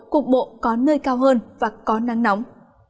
cục bộ có nơi cao hơn và có nắng nóng